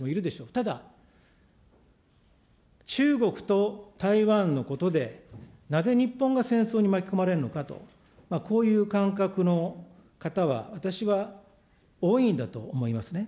ただ、中国と台湾のことでなぜ日本が戦争に巻き込まれるのかと、こういう感覚の方は、私は多いんだと思いますね。